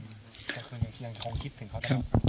พี่แทน๖๒ต่างถึงความรู้ชีพถึงเขาเดียว